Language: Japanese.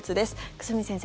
久住先生